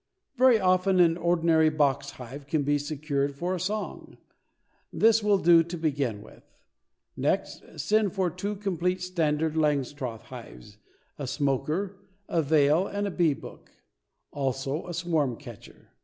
Very often an ordinary box hive can be secured for a "song." This will do to begin with. Next send for two complete standard Langstroth hives, a smoker, a veil and a bee book; also a swarm catcher.